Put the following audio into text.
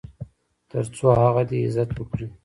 تر څو هغه دې عزت وکړي .